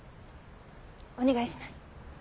お願いします。